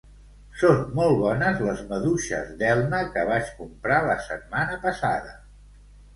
Són molt bones les maduixes d'Elna que vaig comprar la setmana passada